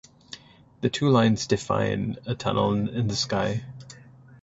The two lines define a "tunnel in the sky".